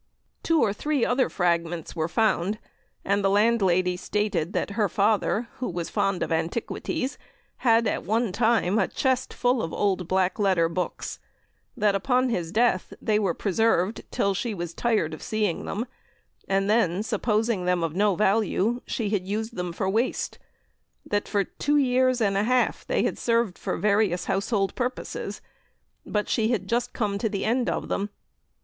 Two or three other fragments were found, and the landlady stated that her father, who was fond of antiquities, had at one time a chest full of old black letter books; that, upon his death, they were preserved till she was tired of seeing them, and then, supposing them of no value, she had used them for waste; that for two years and a half they had served for various household purposes, but she had just come to the end of them.